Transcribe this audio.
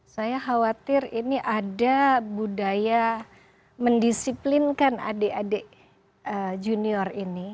saya khawatir ini ada budaya mendisiplinkan adik adik junior ini